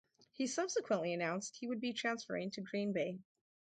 He subsequently announced he would be transferring to Green Bay.